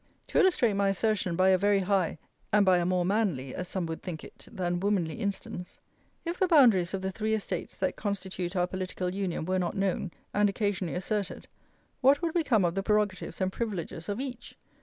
To illustrate my assertion by a very high, and by a more manly (as some would think it) than womanly instance if the boundaries of the three estates that constitute our political union were not known, and occasionally asserted, what would become of the prerogatives and privileges of each?